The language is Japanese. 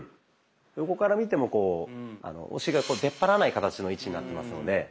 横から見てもお尻が出っ張らない形の位置になってますので。